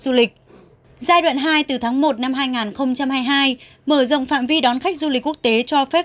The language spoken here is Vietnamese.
du lịch giai đoạn hai từ tháng một năm hai nghìn hai mươi hai mở rộng phạm vi đón khách du lịch quốc tế cho phép